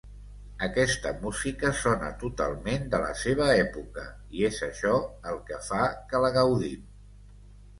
Aquesta música sona totalment de la seva època i és això el que fa que la gaudim.